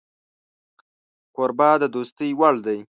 کوربه د دوستۍ وړ دی